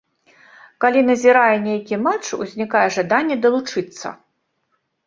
Калі назірае нейкі матч, узнікае жаданне далучыцца.